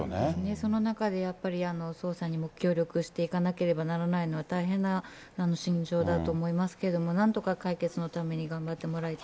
その中でやっぱり捜査にも協力していかなければならないのは、大変な心情だと思いますけども、なんとか解決のために頑張ってもら